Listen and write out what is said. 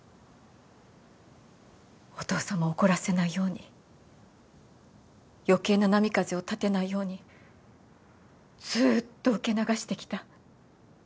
お父さまを怒らせないように余計な波風を立てないようにずっと受け流してきた。